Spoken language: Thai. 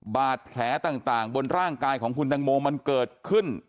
บาดแผลต่างบนร่างกายของคุณตังโมมันเกิดขึ้น